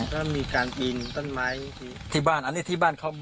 ก็มีการปีนต้นไม้ที่บ้านอันนี้ที่บ้านเขา